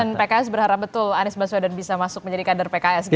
dan pks berharap betul anies baswedan bisa masuk menjadi kader pks gitu